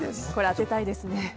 当てたいですね。